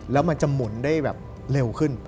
แล้วมันจะหมุนได้แบบเร็วขึ้น